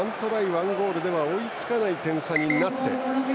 １ゴールでは追いつかない点差になって。